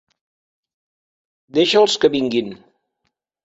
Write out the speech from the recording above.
Deixa'ls que vinguin.